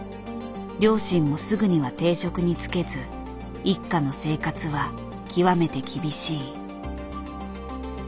両親もすぐには定職に就けず一家の生活は極めて厳しい。